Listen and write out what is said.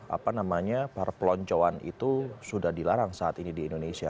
apa namanya perpeloncoan itu sudah dilarang saat ini di indonesia